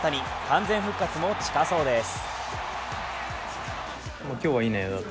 完全復活も近そうです。